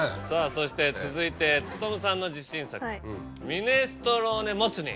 そして続いて勉さんの自信作ミネストローネもつ煮。